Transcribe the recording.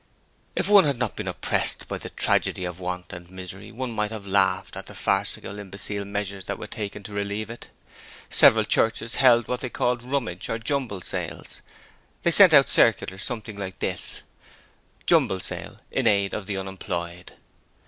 If one had not been oppressed by the tragedy of Want and Misery, one might have laughed at the farcical, imbecile measures that were taken to relieve it. Several churches held what they called 'Rummage' or 'jumble' sales. They sent out circulars something like this: JUMBLE SALE in aid of the Unemployed.